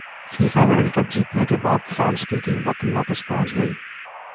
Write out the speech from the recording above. FIFA World Cup جیتنے کے بعد فرانس کی ٹیم وطن واپس پہنچ گئی